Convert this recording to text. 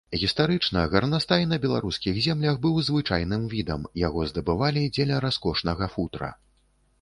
Гістарычна гарнастай на беларускіх землях быў звычайным відам, яго здабывалі дзеля раскошнага футра.